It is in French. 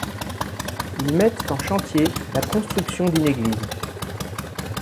Ils mettent en chantier la construction d’une église.